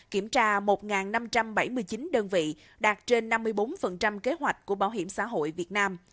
kiểm tra một năm trăm bảy mươi chín đơn vị đạt trên năm mươi bốn kế hoạch của bảo hiểm xã hội việt nam